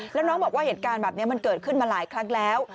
แล้วน้องบอกว่าเหตุการณ์แบบนี้มันเกิดขึ้นมาหลายครั้งแล้ว